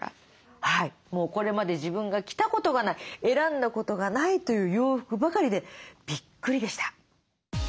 もうこれまで自分が着たことがない選んだことがないという洋服ばかりでビックリでした。